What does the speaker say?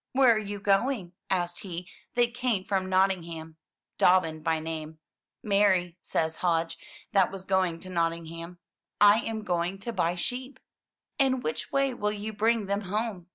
''Where are you going?" asked he that came from Nottingham — Dobbin by name. "Marry, says Hodge that was going to Nottingham. "I am going to buy sheep. "And which way will you bring them home?